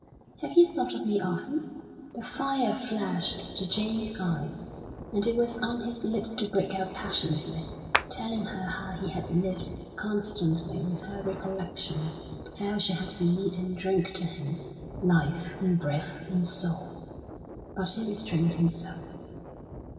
"Have you thought of me often?" The fire flashed to Jamie's eyes, and it was on his lips to break out passionately, telling her how he had lived constantly with her recollection, how she had been meat and drink to him, life, and breath, and soul; but he restrained himself.